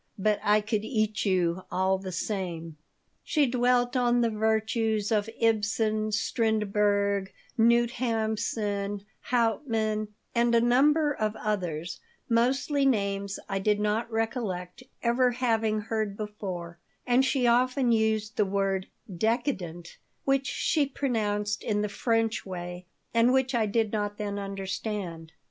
"But I could eat you, all the same." She dwelt on the virtues of Ibsen, Strindberg, Knut Hamsen, Hauptmann, and a number of others, mostly names I did not recollect ever having heard before, and she often used the word "decadent," which she pronounced in the French way and which I did not then understand.